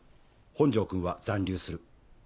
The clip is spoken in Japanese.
本庄君は残留する。